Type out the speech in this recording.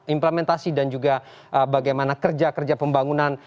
implementasi dan juga bagaimana kerja kerja pembangunan